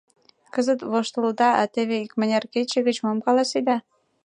Кызыт воштылыда, а теве икмыняр кече гыч мом каласеда?